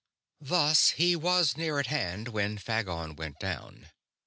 Thus he was near at hand when Phagon went down.